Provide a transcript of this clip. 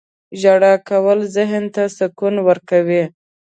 • ژړا کول ذهن ته سکون ورکوي.